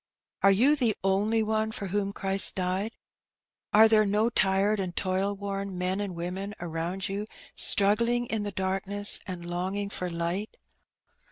Are you the only one for whom Christ died? Are there no tired and toil worn men and women around you struggling in the darkness and long ing for light?